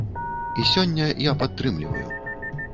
І сёння я падтрымліваю.